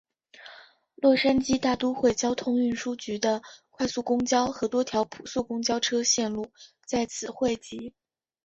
洛杉矶大都会交通运输局的快速公交和多条普速公交车线路在此汇集。